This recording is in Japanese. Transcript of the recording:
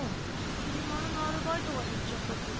きり丸のアルバイトがへっちゃったこと。